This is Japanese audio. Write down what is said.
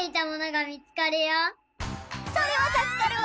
それはたすかるわ！